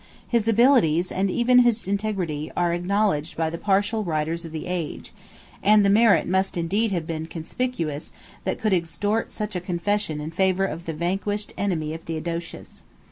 11 His abilities, and even his integrity, are acknowledged by the partial writers of the age; and the merit must indeed have been conspicuous that could extort such a confession in favor of the vanquished enemy of Theodosius.